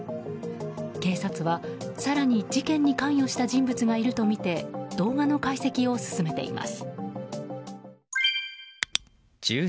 警察は更に事件に関与した人物がいるとみて動画の解析を進めています。